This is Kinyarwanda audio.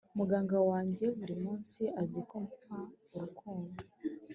muganga wanjye burimunsi, azi ko mpfa urukundo